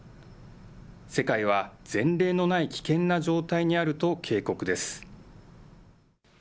世界は前例のない危険な状態にあると警告です。